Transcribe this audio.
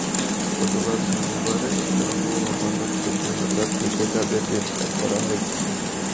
গতকাল শনিবার শাহ আমানত সেতু এলাকা থেকে তাঁদের গ্রেপ্তার করা হয়।